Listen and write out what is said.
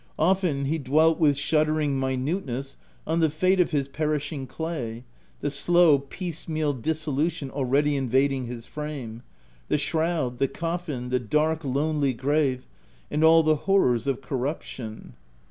Often he dwelt with shuddering minuteness on the fate of his perish ing clay — the slow, piecemeal dissolution already invading his frame ; the shroud, the coffin, the dark, lonely grave, and all the horrors of cor ruption.